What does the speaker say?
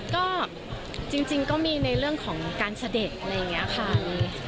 ก็จริงก็มีในเรื่องของการเสด็จอะไรอย่างนี้ค่ะ